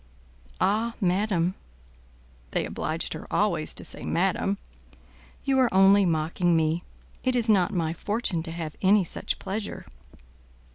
"Ah, madam" (they obliged her always to say madam), "you are only mocking me; it is not my fortune to have any such pleasure."